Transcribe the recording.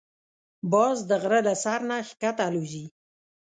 باز د غره له سر نه ښکته الوزي